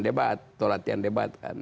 perencanaan debat atau latihan debat